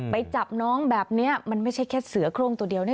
ไปจับน้องแบบนี้มันไม่ใช่แค่เสือโครงตัวเดียวแน่